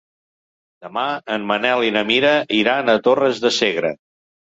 Demà en Manel i na Mira iran a Torres de Segre.